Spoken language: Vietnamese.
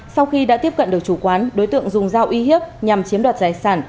sau khi đã tiếp cận được chủ quán đối tượng dùng dao y hiếp nhằm chiếm đoạt giải sản